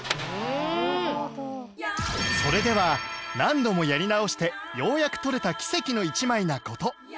それでは何度もやり直してようやく撮れた奇跡の一枚な事